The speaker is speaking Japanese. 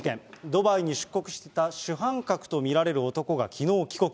ドバイに出国した主犯格と見られる男がきのう帰国。